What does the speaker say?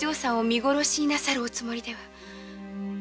見殺しになさるおつもりでは。